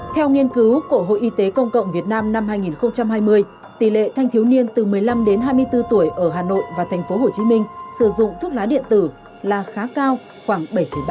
theo nghiên cứu của hội y tế công cộng việt nam năm hai nghìn hai mươi tỷ lệ thanh thiếu niên từ một mươi năm đến hai mươi bốn tuổi ở hà nội và tp hcm sử dụng thuốc lá điện tử là khá cao khoảng bảy ba